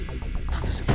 aku mau pergi